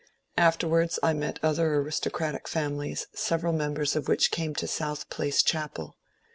Afterwards I met other aristocratic families, several members of which came to South Place chapel.